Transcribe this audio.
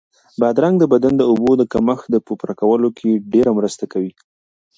بادرنګ د بدن د اوبو د کمښت په پوره کولو کې ډېره مرسته کوي.